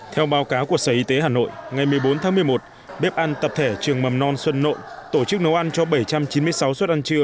theo báo cáo của sở y tế hà nội ngày một mươi bốn tháng một mươi một bếp ăn tập thể trường mầm non xuân nội tổ chức nấu ăn cho bảy trăm chín mươi sáu suất ăn trưa